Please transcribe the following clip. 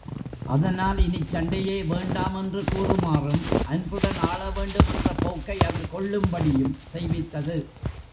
அதனால் இனிச் சண்டையே வேண்டாம் என்று கூறுமாறும் அன்புடன் ஆளவேண்டும் என்ற போக்கை அவர் கொள்ளும் படியும் செய்வித்தது.